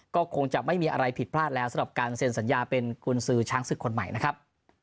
ก็คงจะไม่มีอะไรผิดพลาดแล้วสำหรับการเซ็นสัญญาเป็นกุญสือช้างศึกคนใหม่นะครับ